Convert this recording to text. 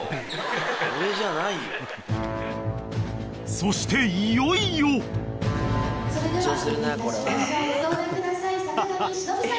［そしていよいよ］どうぞ。